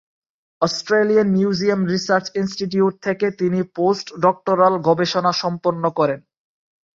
Australian museum research institute থেকে তিনি post doctoral গবেষণা সম্পন্ন করেন।